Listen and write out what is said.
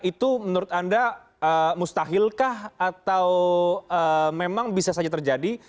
itu menurut anda mustahilkah atau memang bisa saja terjadi